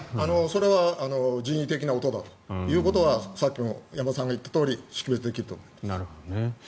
それは人為的な音だということはさっきも山田さんが言ったとおり識別できると思います。